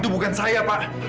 itu bukan saya pak